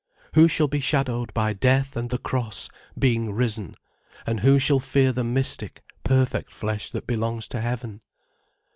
Who shall be shadowed by Death and the Cross, being risen, and who shall fear the mystic, perfect flesh that belongs to heaven?